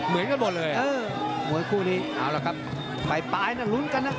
เหมือนกันหมดเลยเออมวยคู่นี้เอาละครับไปปลายน่ะลุ้นกันนะ